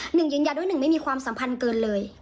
หนึ่งยืนยันด้วยหนึ่งไม่มีความสัมพันธ์เกินเลย